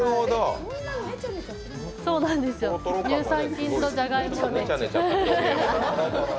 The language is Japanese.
乳酸菌とじゃがいもです。